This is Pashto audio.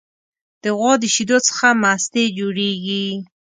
د غوا د شیدو څخه مستې جوړیږي.